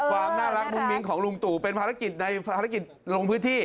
ความน่ารักมุ้งมิ้งของลุงตู่เป็นภารกิจในภารกิจลงพื้นที่